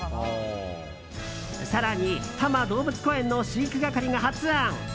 更に多摩動物公園の飼育係が発案！